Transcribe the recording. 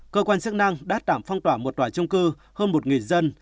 cơ quan chức năng đã tạm phong tỏa một tòa chung cư hơn một dân